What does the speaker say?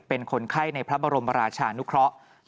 เป็นคนไข้ในพระบรมราชานุเคราะห์